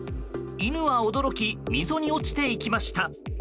犬は驚き溝に落ちていきました。